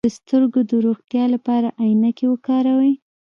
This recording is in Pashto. د سترګو د روغتیا لپاره عینکې وکاروئ